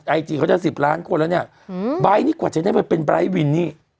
ไอจีเขาจะสิบล้านคนแล้วเนี่ยไบท์นี่กว่าจะได้ไปเป็นไร้วินนี่